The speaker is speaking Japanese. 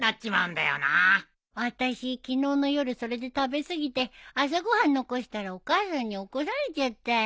あたし昨日の夜それで食べ過ぎて朝ご飯残したらお母さんに怒られちゃったよ。